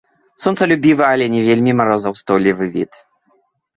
Сонцалюбівы, але не вельмі марозаўстойлівы від.